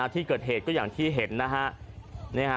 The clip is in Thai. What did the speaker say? ที่เกิดเหตุก็อย่างที่เห็นนะฮะ